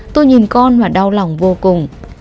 tôi nhìn con và đau lòng vô cùng